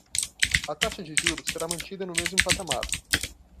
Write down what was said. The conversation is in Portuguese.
A taxa de juros será mantida no mesmo patamar